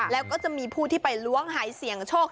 แล้วก็จะมีผู้ที่ไปล้วงหายเสี่ยงโชค